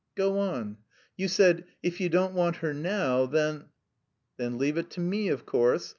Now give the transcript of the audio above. "Go on. You said, 'if you don't want her now, then... '" "Then, leave it to me, of course.